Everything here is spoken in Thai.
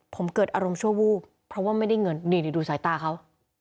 ผมเกิดอารมณ์ชั่ววูบเพราะว่าไม่ได้เงินนี่ดูสายตาเขา